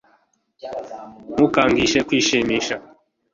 ntukangishe kwishimisha